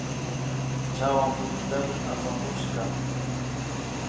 Chawa mutitami apamushka